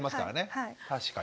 はい。